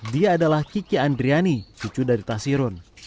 dia adalah kiki andriani cucu dari tasirun